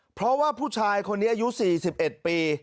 เพราะว่าผู้ชายคนนี้อายุ๔๑ปี